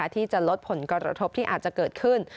ที่จะลดผลกระทบที่อาจจะเกิดขึ้น